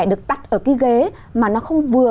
được tắt ở cái ghế mà nó không vừa